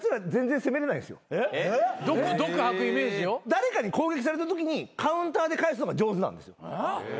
誰かに攻撃されたときにカウンターで返すのが上手なんです。